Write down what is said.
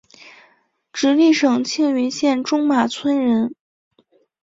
直隶省庆云县中马村人。